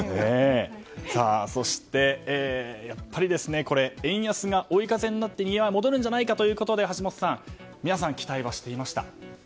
そして、やっぱり円安が追い風になって戻るんじゃないかということで皆さん期待をしていました。